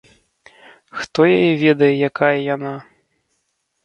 Хто яе ведае, якая яна.